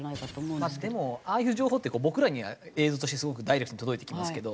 でもああいう情報って僕らには映像としてすごくダイレクトに届いてきますけど。